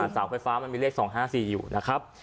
เสาไฟฟ้ามันมีเลข๒๕๔อยู่นะครับ